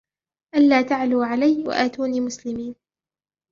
أَلَّا تَعْلُوا عَلَيَّ وَأْتُونِي مُسْلِمِينَ